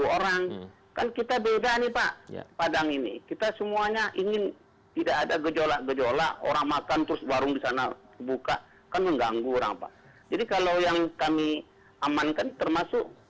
orangnya juga harus kita tegakkan gitu